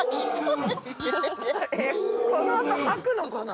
このあと吐くのかな？